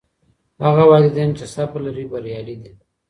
هغه والدین چي صبر لري بریالي دي.